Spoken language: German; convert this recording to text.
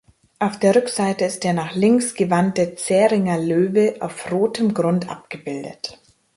Auf der Rückseite ist der nach links gewandte Zähringer Löwe auf rotem Grund abgebildet.